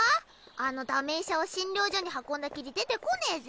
あのダメ医者を診療所に運んだきり出てこねぇぜ。